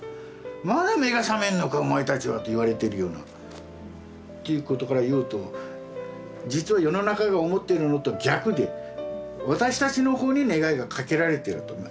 まだ目が覚めんのかお前たちはと言われてるような。っていうことからいうと実は世の中が思ってるのと逆で私たちの方に願いがかけられてると思う。